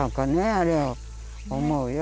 あれを思うよ